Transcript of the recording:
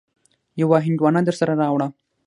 يوه هندواڼه درسره راوړه.